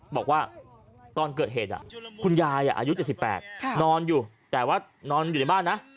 บอกว่าตอนเกิดเหตุคุณยายอายุ๗๘นอนอยู่แต่ว่านอนอยู่ในบ้านนะ